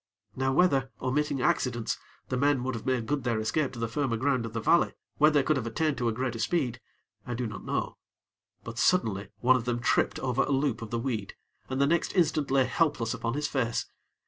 Now whether, omitting accidents, the men would have made good their escape to the firmer ground of the valley, where they could have attained to a greater speed, I do not know; but suddenly one of them tripped over a loop of the weed, and the next instant lay helpless upon his face.